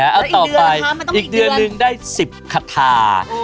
เอาต่อไปอีกเดือนนึงได้๑๐คาทา